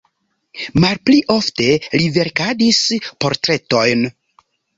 Malpli ofte li verkadis portretojn.